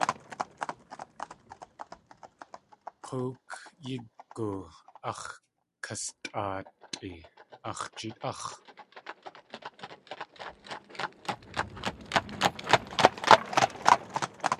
K̲óok yígu ax̲ kastʼáatʼi - ax̲ jeet .áx̲.